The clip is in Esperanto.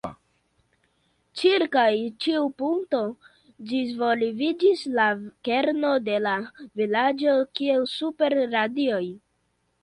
Ĉirkaŭ tiu punkto disvolviĝis la kerno de la vilaĝo kiel super radioj.